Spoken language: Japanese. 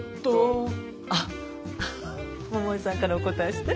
あっ桃恵さんからお答えして。